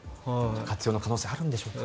活用の可能性あるんでしょうか。